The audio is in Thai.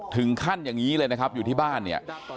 อย่างนี้เลยนะครับอยู่ที่บ้านเนี่ย